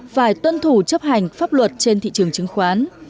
phải tuân thủ chấp hành pháp luật trên thị trường chứng khoán